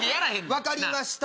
分かりました！